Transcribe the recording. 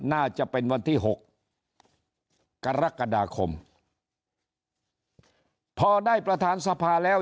น่าจะเป็นวันที่หกกรกฎาคมพอได้ประธานสภาแล้ว